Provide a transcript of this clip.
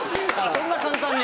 そんな簡単に。